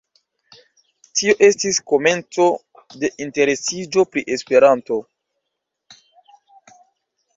Tio estis komenco de interesiĝo pri Esperanto.